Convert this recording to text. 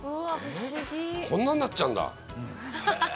こんなんなっちゃうんだ。